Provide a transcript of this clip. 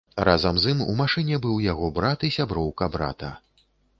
Разам з ім у машыне быў яго брат і сяброўка брата.